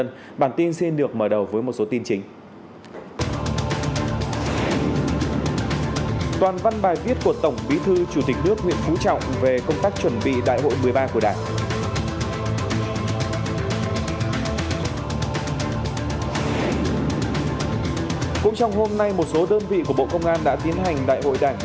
cũng trong hôm nay một số đơn vị của bộ công an đã tiến hành đại hội đảng nhiệm kỳ hai nghìn hai mươi hai nghìn hai mươi năm